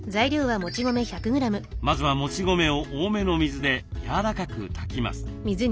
まずはもち米を多めの水でやわらかく炊きます。